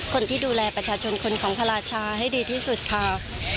คนที่ดูแลประชาชนคนของพระราชาให้ดีที่สุดค่ะ